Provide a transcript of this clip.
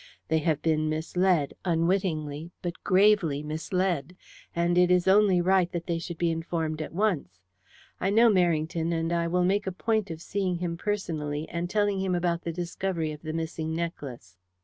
"They have been misled unwittingly but gravely misled and it is only right that they should be informed at once. I know Merrington, and I will make a point of seeing him personally and telling him about the discovery of the missing necklace."